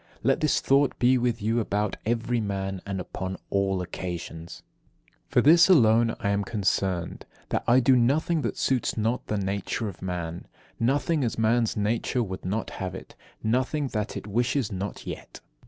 Let this thought be with you about every man, and upon all occasions. 20. For this alone I am concerned; that I do nothing that suits not the nature of man, nothing as man's nature would not have it, nothing that it wishes not yet.